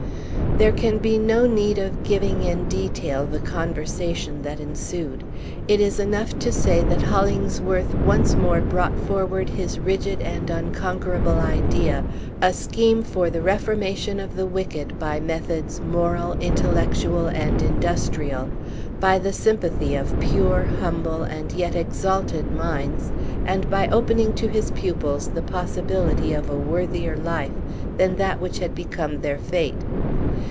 There can be no need of giving in detail the conversation that ensued. It is enough to say that Hollingsworth once more brought forward his rigid and unconquerable idea, a scheme for the reformation of the wicked by methods moral, intellectual, and industrial, by the sympathy of pure, humble, and yet exalted minds, and by opening to his pupils the possibility of a worthier life than that which had become their fate.